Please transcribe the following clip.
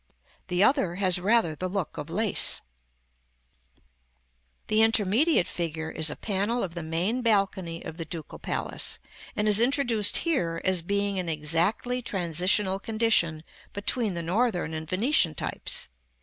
The other has rather the look of lace. [Illustration: Fig. XXV.] The intermediate figure is a panel of the main balcony of the Ducal Palace, and is introduced here as being an exactly transitional condition between the Northern and Venetian types.